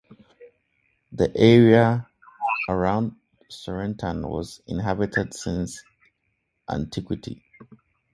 The area around Sornetan was inhabited since antiquity.